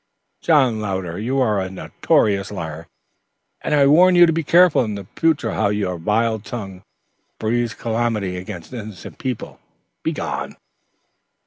"John Louder, you are a notorious liar, and I warn you to be careful in the future how your vile tongue breathes calumny against innocent people. Begone!"